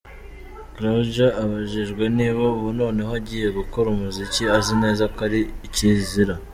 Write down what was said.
Croidja abajijwe niba ubu noneho agiye gukora umuziki azi neza ko ari ikizira.